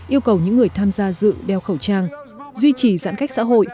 yêu cầu những người tham gia dự đeo khẩu trang duy trì giãn cách xã hội